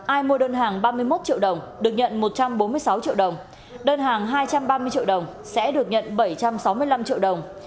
ai mua đơn hàng ba mươi một triệu đồng được nhận một trăm bốn mươi sáu triệu đồng đơn hàng hai trăm ba mươi triệu đồng sẽ được nhận bảy trăm sáu mươi năm triệu đồng